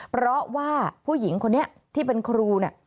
เพราะว่าผู้หญิงคนนี้ที่เป็นครูเนี่ย